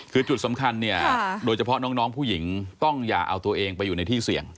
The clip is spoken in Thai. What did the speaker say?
คือจุดสำคัญเนี่ยโดยเฉพาะน้องผู้หญิงต้องอย่าเอาตัวเองไปอยู่ในที่เสี่ยง